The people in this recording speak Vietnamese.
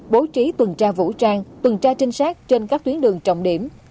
bố trí tuần tra vũ trang tuần tra trinh sát trên các tuyến đường trọng điểm